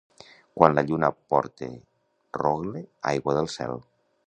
Quan la lluna porta rogle, aigua del cel.